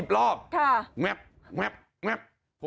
๑๐รอบแม็บแม็บแม็บค่ะ